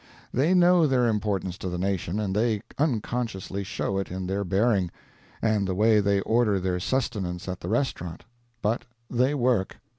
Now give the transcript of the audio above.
They know their importance to the nation, and they unconsciously show it in their bearing, and the way they order their sustenance at the restaurant but they work.